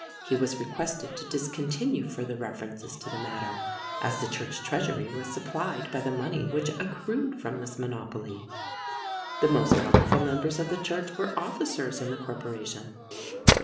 He was requested to discontinue further references to the matter, as the church treasury was supplied by the money which accrued from this monopoly. The most powerful members of the church were officers in the corporation.